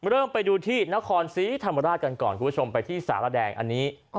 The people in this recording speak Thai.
เริ่มไปดูที่นครศรีธรรมราชกันก่อนคุณผู้ชมไปที่สารแดงอันนี้